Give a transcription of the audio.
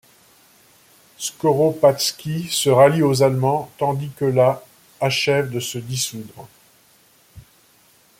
Skoropadsky se rallie aux Allemands tandis que la achève de se dissoudre.